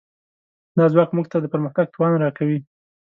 دا ځواک موږ ته د پرمختګ توان راکوي.